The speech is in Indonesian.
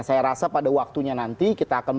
saya rasa pada waktunya nanti kita akan